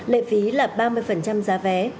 lệ phí là ba mươi giá vé